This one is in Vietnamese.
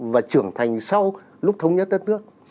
và trưởng thành sau lúc thống nhất đất nước